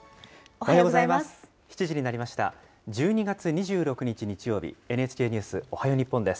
おはようございます。